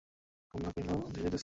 কমলা কহিল, দেশে যাইতেছি।